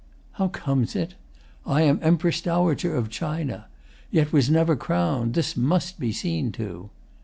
How comes it? I am Empress Dowager Of China yet was never crown'd. This must Be seen to.